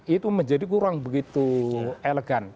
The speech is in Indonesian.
itu menjadi kurang begitu elegan